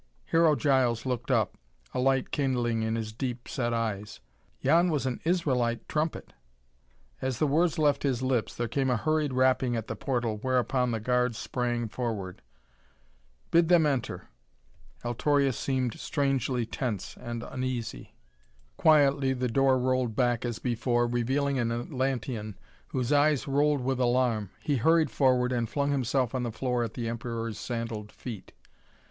Hero Giles looked up, a light kindling in his deep set eyes. "Yon was an Israelite trumpet." As the words left his lips there came a hurried rapping at the portal, whereupon the guards sprang forward. "Bid them enter." Altorius seemed strangely tense and uneasy. Quietly the door rolled back as before, revealing an Atlantean whose eyes rolled with alarm. He hurried forward and flung himself on the floor at the Emperor's sandaled feet.